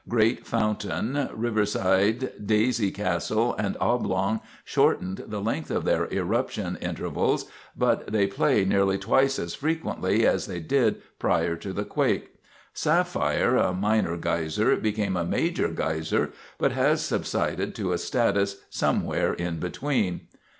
Great Fountain, Riverside, Daisy, Castle, and Oblong shortened the length of their eruption intervals, but they play nearly twice as frequently as they did prior to the quake. Sapphire, a minor geyser, became a major geyser, but has subsided to a status somewhere in between.